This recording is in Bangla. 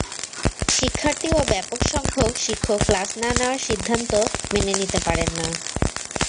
শিক্ষার্থী ও ব্যাপকসংখ্যক শিক্ষক ক্লাস না নেওয়ার সিদ্ধান্ত মেনে নিতে পারেন না।